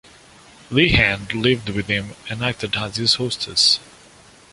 LeHand lived with him and acted as his hostess.